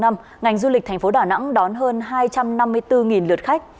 năm ngành du lịch thành phố đà nẵng đón hơn hai trăm năm mươi bốn lượt khách